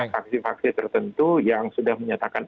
faksi faksi tertentu yang sudah menyatakan